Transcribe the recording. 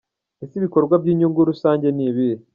Ese ibikorwa by’inyungu rusange ni ibihe?.